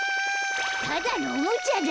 ただのおもちゃだよ。